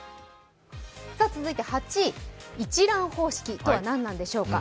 続いて８位、一蘭方式とは何なんでしょうか。